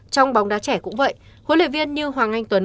trong bóng đá trẻ cũng vậy huấn luyện viên như hoàng anh tuấn